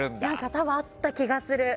多分、あった気がする。